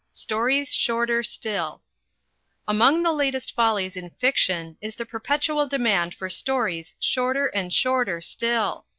Stories Shorter Still Among the latest follies in fiction is the perpetual demand for stories shorter and shorter still.